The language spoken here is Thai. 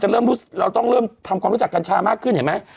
เราต้องเริ่มทำความรู้จักกัญชามากขึ้นเห็นไหม